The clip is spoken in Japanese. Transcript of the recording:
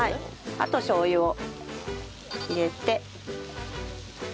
あとしょう油を入れて。